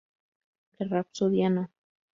La Rapsodia No.